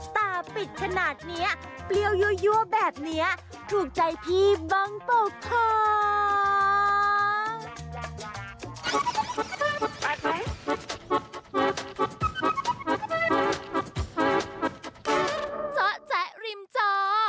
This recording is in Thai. ตาปิดขนาดนี้เปรี้ยวยั่วแบบนี้ถูกใจพี่บ้างปกครอง